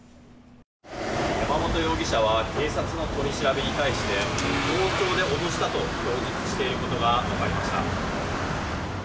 山本容疑者は警察の取り調べに対して包丁で脅したと供述していることが分かりました。